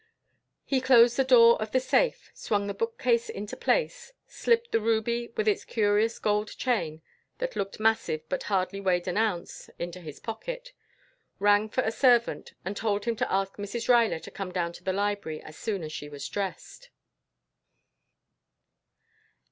He closed the door of the safe, swung the bookcase into place, slipped the ruby with its curious gold chain that looked massive but hardly weighed an ounce, into his pocket, rang for a servant and told him to ask Mrs. Ruyler to come down to the library as soon as she was dressed.